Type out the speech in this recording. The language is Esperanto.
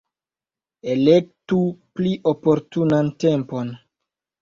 Elektu pli oportunan tempon.